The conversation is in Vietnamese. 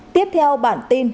tiếp theo bản tin